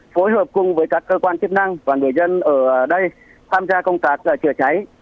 phối hợp cùng với các cơ quan chức năng và người dân ở đây tham gia công tác chữa cháy